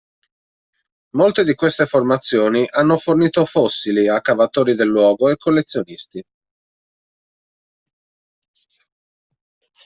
Molte di queste formazioni hanno fornito fossili a cavatori del luogo e collezionisti.